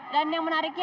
dan yang menariknya